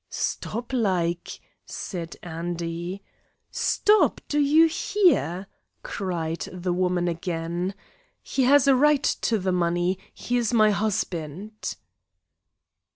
"Stop like ," said Andy. "Stop! do you hear?" cried the woman again "He has a right to the money. He is my husband."